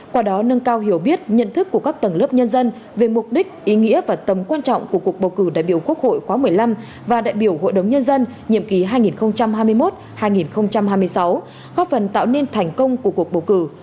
qua đó nâng cao hiểu biết nhận thức của các tầng lớp nhân dân về mục đích ý nghĩa và tầm quan trọng của cuộc bầu cử đại biểu quốc hội khóa một mươi năm và đại biểu hội đồng nhân dân nhiệm ký hai nghìn hai mươi một hai nghìn hai mươi sáu góp phần tạo nên thành công của cuộc bầu cử